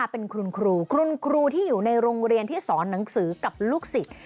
เป็นคุณครูคุณครูที่อยู่ในโรงเรียนที่สอนหนังสือกับลูกศิษย์